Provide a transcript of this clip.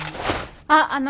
あっあの。